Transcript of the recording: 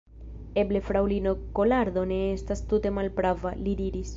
Eble fraŭlino Kolardo ne estas tute malprava, li diris.